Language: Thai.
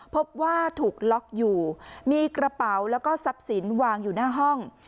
พบว่าถูกล็อกอยู่มีกระเป๋าแล้วก็ทรัพย์สินวางอยู่หน้าห้อง